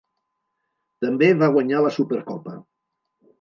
També va guanyar la Supercopa.